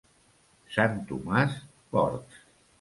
Sant Tomàs, porcs.